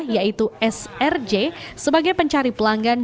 yaitu srj sebagai pencari pelanggan